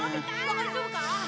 大丈夫か？